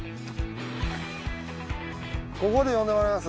ここで呼んでもらいます？